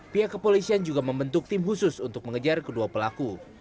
pihak kepolisian juga membentuk tim khusus untuk mengejar kedua pelaku